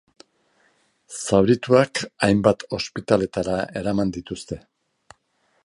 Zaurituak hainbat ospitaleetara eraman dituzte.